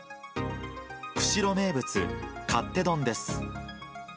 釧路名物、勝手丼です。